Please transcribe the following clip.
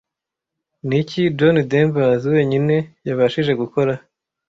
Niki John Denvers wenyine yabashije gukora